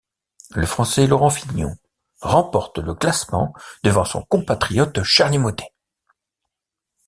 Le Français Laurent Fignon remporte le classement devant son compatriote Charly Mottet.